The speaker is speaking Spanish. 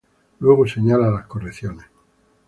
Luego señala las correcciones.